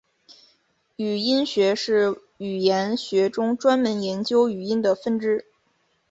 语音学是语言学中专门研究语音的分支。